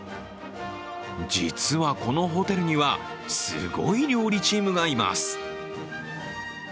実はこのホテルにはすごい料理チームがいます。